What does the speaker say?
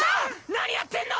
何やってんの！